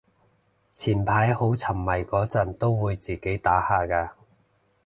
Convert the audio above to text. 前排好沉迷嗰陣都會自己打下嘅